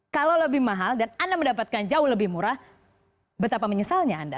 kalau lebih mahal dan anda mendapatkan jauh lebih murah betapa menyesalnya anda